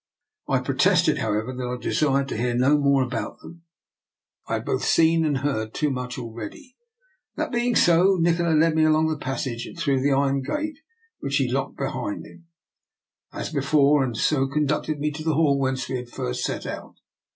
'* I protested, however, that I desired to hear no more about them; I had both seen and heard too much already. That being so, Nikola led me along the passage and through the iron gate, which he locked behind him 176 DR. NIKOLA'S EXPERIMENT. as before, and so conducted me to the hall whence we had first set out.